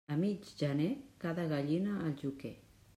A mig gener, cada gallina al joquer.